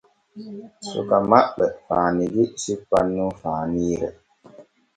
Suka maɓɓe faanigi sippan nun faaniire.